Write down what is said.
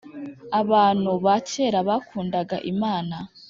Abantu bakera bakundaga imana.